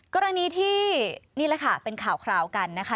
กรณีที่นี่แหละค่ะเป็นข่าวคราวกันนะคะ